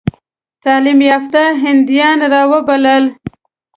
تعلیم یافته هندیان را وبلل.